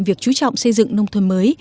việc chú trọng xây dựng nông thôn mới